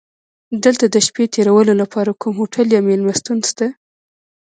دلته د شپې تېرولو لپاره کوم هوټل یا میلمستون شته؟